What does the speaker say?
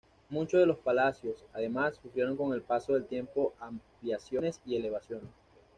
Muchos de los palacios, además, sufrieron con el paso del tiempo ampliaciones y elevaciones.